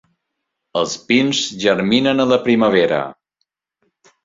Els pins germinen a la primavera.